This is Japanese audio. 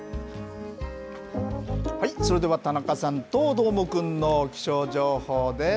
それでは田中さんとどーもくんの気象情報です。